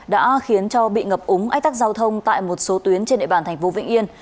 đã khiến cho bị ngập úng ách tắc giao thông tại một số tuyến trên địa bàn thành phố vĩnh yên